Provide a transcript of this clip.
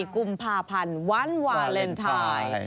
กุมภาพันธ์วันวาเลนไทย